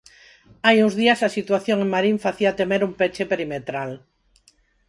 Hai uns días a situación en Marín facía temer un peche perimetral.